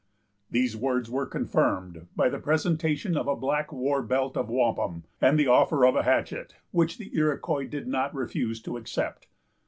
These words were confirmed by the presentation of a black war belt of wampum, and the offer of a hatchet, which the Iroquois did not refuse to accept.